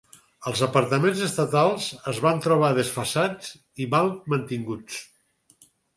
Els apartaments estatals es van trobar desfasats i mal mantinguts.